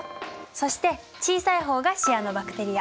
そして小さい方がシアノバクテリア。